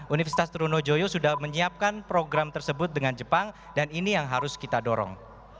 universitas trunojoyo sudah menyiapkan program tersebut dengan jepang dan ini yang harus kita dorong